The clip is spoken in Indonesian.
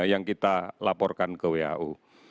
yang kita laporkan ke wau